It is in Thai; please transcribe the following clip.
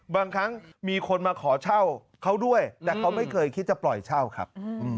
บางครั้งมีคนมาขอเช่าเขาด้วยแต่เขาไม่เคยคิดจะปล่อยเช่าครับ